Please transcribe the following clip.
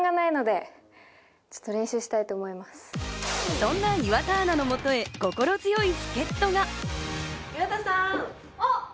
そんな岩田アナの元へ心強い助っ人が。